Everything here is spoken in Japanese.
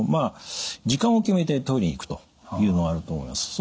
時間を決めてトイレに行くというのがあると思います。